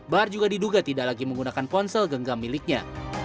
bahar juga diduga tidak lagi menggunakan ponsel genggam miliknya